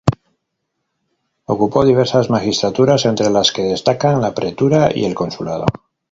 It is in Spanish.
Ocupó diversas magistraturas, entre las que destacan la pretura y el consulado.